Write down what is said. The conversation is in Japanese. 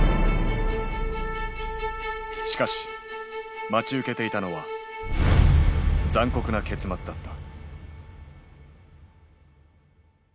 しかし待ち受けていたのは残酷な結末だった。